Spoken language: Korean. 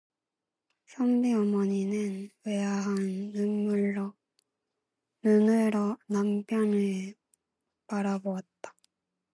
선비 어머니는 의아한 눈으로 남편을 바라보았다.